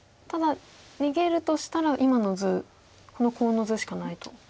ただ逃げるとしたら今の図このコウの図しかないと。